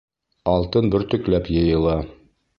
Алтын бөртөкләп йыйыла.